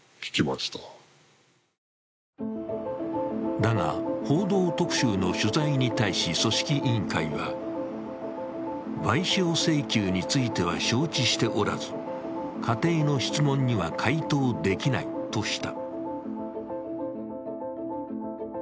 だが、「報道特集」の取材に対し、組織委員会は賠償請求については承知しておらず、仮定の質問には回答できないとした。